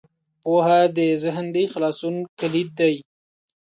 پوهه د ذهن د خلاصون کلید دی.